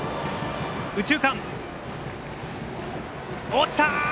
落ちた！